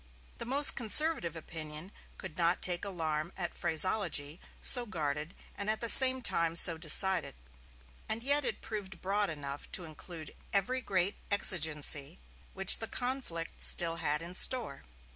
The most conservative opinion could not take alarm at phraseology so guarded and at the same time so decided; and yet it proved broad enough to include every great exigency which the conflict still had in store.